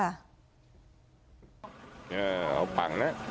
เออเอาปังนะ